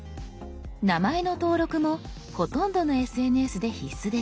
名前の登録もほとんどのＳＮＳで必須です。